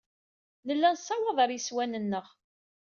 Nella nessawaḍ ɣer yeswan-nneɣ.